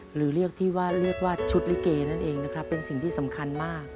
หรือเรียกว่าชุดลิเกนั่นเองเป็นสิ่งที่สำคัญมาก